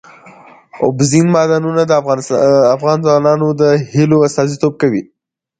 اوبزین معدنونه د افغان ځوانانو د هیلو استازیتوب کوي.